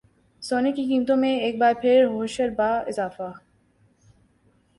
سونے کی قیمتوں میں ایک بار پھر ہوشربا اضافہ